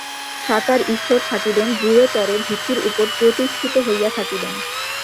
সাকার ঈশ্বর থাকিবেন, দৃঢ়তর ভিত্তির উপর প্রতিষ্ঠিত হইয়া থাকিবেন।